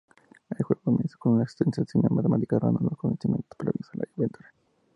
El juego comienza con una extensa cinemática narrando los acontecimientos previos a la aventura.